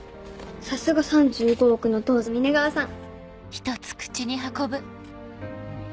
さすが３５億の「どうぞ皆川」さん。